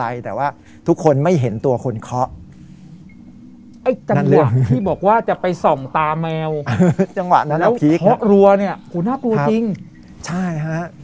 จังหวะที่บอกว่าจะไปส่องตาแมวจังหวะนั้นแล้วผีเคาะรัวเนี่ยหูน่ากลัวจริงใช่ฮะ